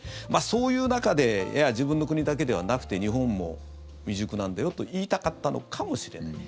そういう中で自分の国だけではなくて日本も未熟なんだよと言いたかったのかもしれない。